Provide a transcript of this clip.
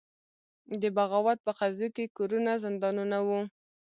د بغاوت په قضیو کې کورونه زندانونه وو.